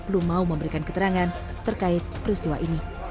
belum mau memberikan keterangan terkait peristiwa ini